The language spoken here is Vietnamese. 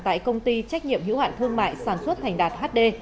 tại công ty trách nhiệm hữu hạn thương mại sản xuất thành đạt hd